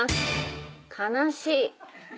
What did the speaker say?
悲しい。